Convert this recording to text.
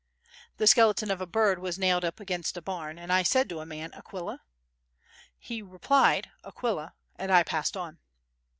The skeleton of a bird was nailed up against a barn, and I said to a man: "Aquila?" He replied: "Aquila," and I passed on.